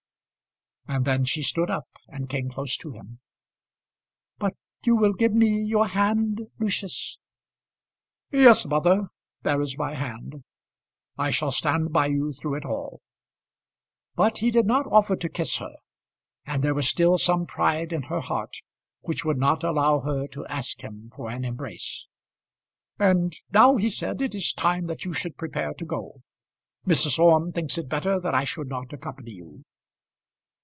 And then she stood up and came close to him. "But you will give me your hand, Lucius?" "Yes, mother; there is my hand. I shall stand by you through it all." But he did not offer to kiss her; and there was still some pride in her heart which would not allow her to ask him for an embrace. "And now," he said, "it is time that you should prepare to go. Mrs. Orme thinks it better that I should not accompany you."